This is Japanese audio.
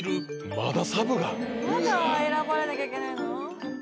まだ選ばれなきゃいけないの？